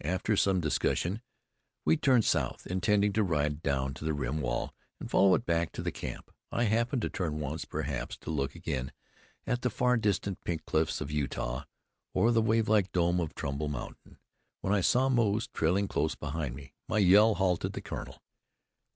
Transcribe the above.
After some discussion, we turned south, intending to ride down to the rim wall and follow it back to camp. I happened to turn once, perhaps to look again at the far distant pink cliffs of Utah, or the wave like dome of Trumbull Mountain, when I saw Moze trailing close behind me. My yell halted the Colonel.